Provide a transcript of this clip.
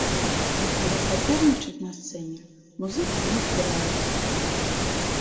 Але сапернічаць на сцэне музыкі не збіраюцца!